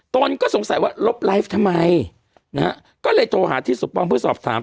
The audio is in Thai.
ตนก็สงสัยว่าลบไลฟ์ทำไมนะฮะก็เลยโทรหาที่สมปองเพื่อสอบถาม